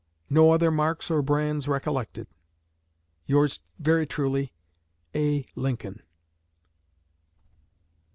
No other marks or brands recollected. Yours very truly, A. LINCOLN.